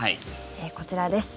こちらです。